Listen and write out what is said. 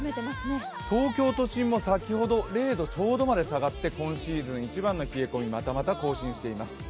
東京都心も先ほど０度ちょうどまで下がって今シーズン一番の冷え込みをまたまた更新しています。